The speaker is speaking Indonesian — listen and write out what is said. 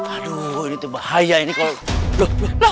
aduh ini tuh bahaya ini kalau